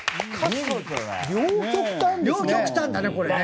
両極端だねこれね。